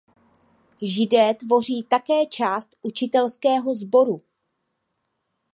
Židé tvoří také část učitelského sboru.